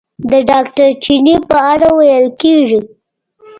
د ډاکټر چیني په اړه ویل کېږي.